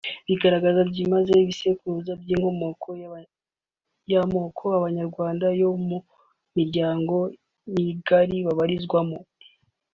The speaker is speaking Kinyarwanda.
bigaragaza byimazeyo Ibisekuruza by’inkomoko y’amoko y’Abanyarwanda yo mu miryango migari babarizwamo